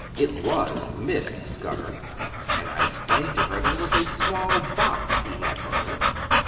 It was Miss Scudder, and I explained to her that it was a small box he had for her.